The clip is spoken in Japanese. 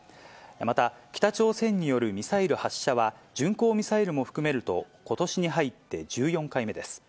また、北朝鮮によるミサイル発射は、巡航ミサイルも含めると、ことしに入って１４回目です。